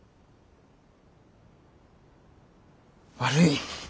悪い。